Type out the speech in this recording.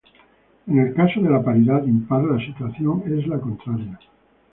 En el caso de la paridad impar, la situación es la contraria.